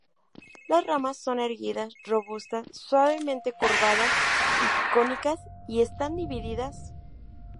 Las ramas son erguidas, robustas, suavemente curvadas y cónicas, y están divididas.